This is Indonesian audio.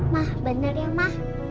mah bener ya mah